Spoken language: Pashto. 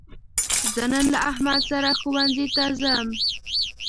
زه نن له احمد سره ښوونځي ته ځم.